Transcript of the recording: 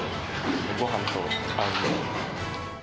ごはんと合うんで。